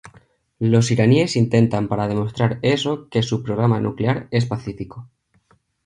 Los iraníes intentan para demostrar eso que su programa nuclear es pacífico.